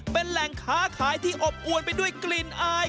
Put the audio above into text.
เป็นแหล่งค้าขายที่อบอวนไปด้วยกลิ่นอาย